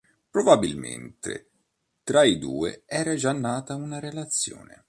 Probabilmente tra i due era già nata una relazione.